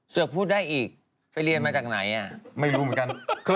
ตระวังว่าพูดได้อีกไปเรียนไหมจากไหน